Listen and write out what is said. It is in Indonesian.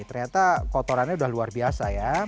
ternyata kotorannya sudah luar biasa ya